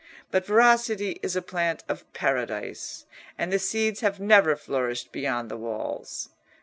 But veracity is a plant of paradise, and the seeds have never flourished beyond the walls.